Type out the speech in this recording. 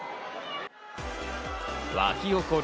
沸き起る